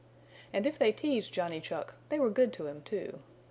And if they teased Johnny Chuck they were good to him, too.